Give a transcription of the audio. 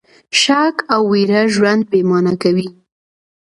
شک او ویره ژوند بې مانا کوي.